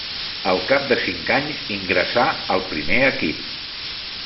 Al cap de cinc anys ingressà al primer equip.